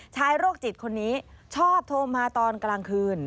โรคจิตคนนี้ชอบโทรมาตอนกลางคืน